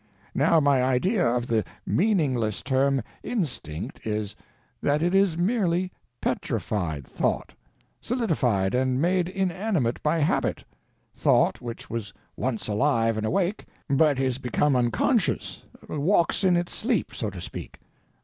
Now my idea of the meaningless term "instinct" is, that it is merely _petrified thought; _solidified and made inanimate by habit; thought which was once alive and awake, but is become unconscious—walks in its sleep, so to speak.